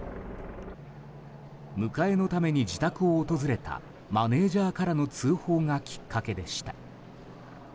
迎えのために自宅を訪れたマネジャーからの通報がきっかけでした。